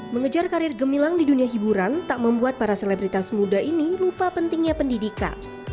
mengejar karir gemilang di dunia hiburan tak membuat para selebritas muda ini lupa pentingnya pendidikan